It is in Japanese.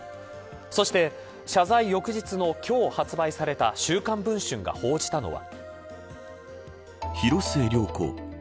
そして謝罪翌日の今日発売された週刊文春が報じたのは。